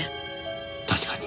確かに。